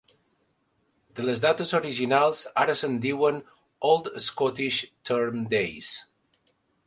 De les dates originals ara se'n diuen "Old Scottish Term Days".